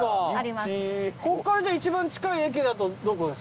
ここからじゃあ一番近い駅だとどこですか？